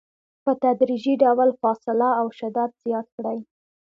په تدریجي ډول فاصله او شدت زیات کړئ.